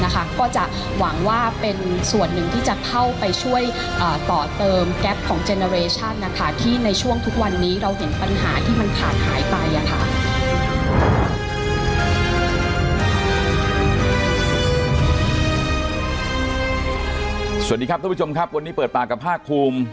สวัสดีครับทุกผู้ชมครับวันนี้เปิดปากกับภาคภูมิ